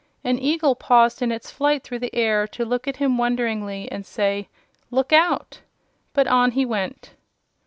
An eagle paused in its flight through the air to look at him wonderingly and say: "Look out!" But on he went.